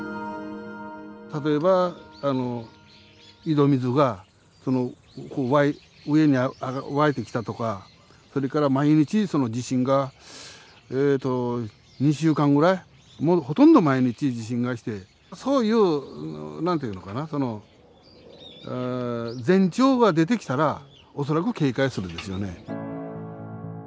例えばあの井戸水が上に湧いてきたとかそれから毎日地震が２週間ぐらいほとんど毎日地震が来てそういう何て言うのかな前兆が出てきたら恐らく警戒するんですよね。